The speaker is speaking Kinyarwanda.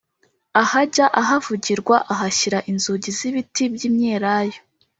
Ahajya ahavugirwa ahashyira inzugi z’ibiti by’imyelayo